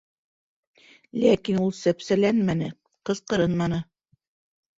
Ләкин ул сәпсәләнмәне, ҡысҡырынманы.